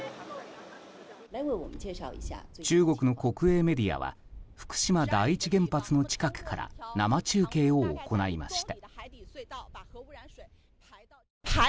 中国の国営メディアは福島第一原発の近くから生中継を行いました。